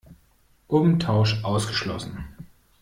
Umtausch ausgeschlossen!